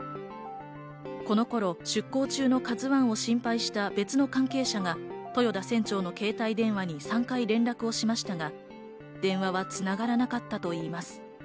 この頃、出港中の「ＫＡＺＵ１」を心配した別の関係者が豊田船長の携帯電話に３回連絡をしましたが、電話は繋がらなかったといいます。